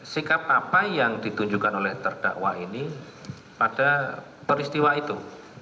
sikap apa yang ditunjukkan oleh terdakwa ini pada peristiwa itu